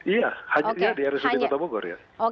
iya hanya di rsud kota bogor ya